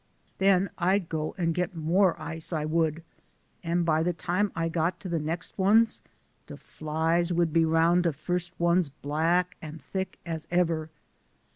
Den I'd go an' git more ice, I would, an' by de time I got to de nex' ones, de flies would be roun' de fust ones black an' thick as eber."